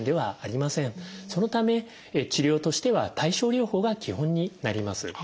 そのため治療としては対症療法が基本になります。